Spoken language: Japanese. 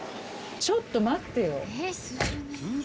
ちょっと待ってよ。